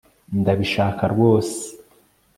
ndabishaka rwose